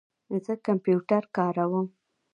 زه کمپیوټر کاروم